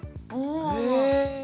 へえ。